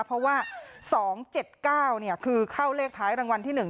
เพราะว่าสองเจ็ดเก้าเนี้ยคือเข้าเลขท้ายรางวัลที่หนึ่ง